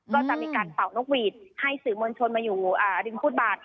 ก็จะมีการเป่านกหวีดให้สื่อมวลชนมาอยู่ริมฟุตบาท